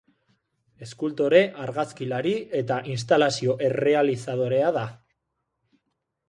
Eskultore, argazkilari eta instalazio-errealizadorea da.